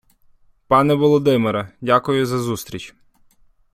Пане Володимире, дякую за зустріч.